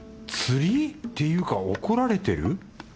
釣り？っていうか怒られてる？